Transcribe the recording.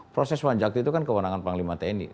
proses wanjakti itu kan kewenangan panglima tni